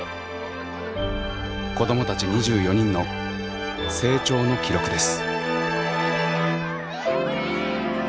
子どもたち２４人の成長の記録です。